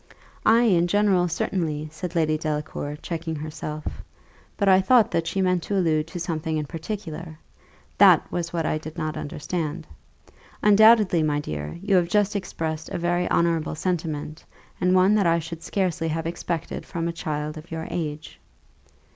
"Ay, in general, certainly," said Lady Delacour, checking herself; "but I thought that she meant to allude to something in particular that was what I did not understand. Undoubtedly, my dear, you have just expressed a very honourable sentiment, and one that I should scarcely have expected from a child of your age.